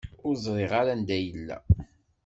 Ur ẓriɣ ara anda yella.